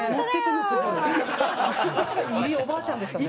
確かに入りおばあちゃんでしたね。